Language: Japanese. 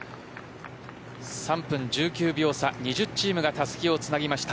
３分１９秒差、２０チームがたすきをつなぎました。